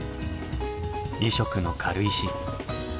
２色の軽石。